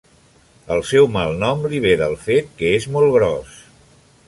El seu malnom li ve del fet que és molt gros.